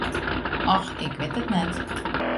Och, ik wit it net.